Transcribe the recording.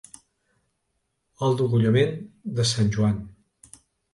El degollament de sant Joan.